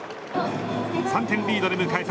３点リードで迎えた